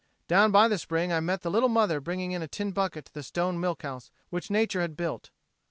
Down by the spring I met the little mother bringing a tin bucket to the stone milk house which nature had built.